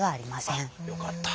よかった。